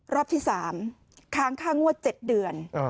รอบที่๓ค้างค่างวด๗เดือน